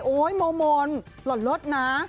โอ๊ยโมโมนหล่นรถนะ